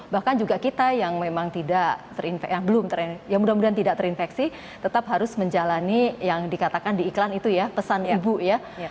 bahkan juga kita yang memang mudah mudahan tidak terinfeksi tetap harus menjalani yang dikatakan di iklan itu ya pesan ibu ya